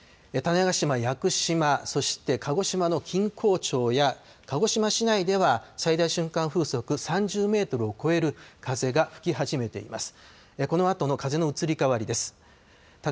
種子島、屋久島そして鹿児島の錦江町や鹿児島市内では最大瞬間風速３０メートルを超える風が吹き始めています。